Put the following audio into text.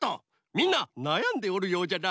みんななやんでおるようじゃな。